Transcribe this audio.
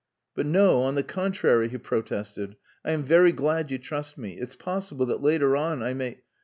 "But no, on the contrary," he protested. "I am very glad you trust me. It's possible that later on I may..."